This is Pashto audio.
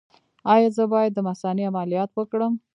ایا زه باید د مثانې عملیات وکړم؟